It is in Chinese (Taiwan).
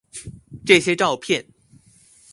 這些照片